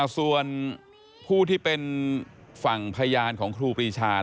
ส่วนผู้ที่เป็นฝั่งพยานของครูปรีชา